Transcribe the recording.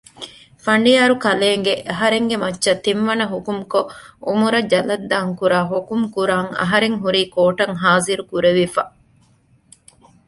ފަނޑިޔާރުކަލޭނގެ އަހަރެންގެ މައްޗަށް ތިން ވަނަ ޙުކުމްކޮށް ޢުމުރަށް ޖަލަށްދާން ކުރާ ޙުކުމުކުރާން އަހަރެން ހުރީ ކޯޓަށް ޙާޟިރުކުރެވިފަ